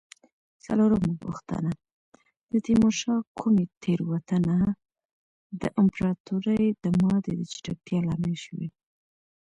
څلورمه پوښتنه: د تیمورشاه کومې تېروتنه د امپراتورۍ د ماتې د چټکتیا لامل شوې؟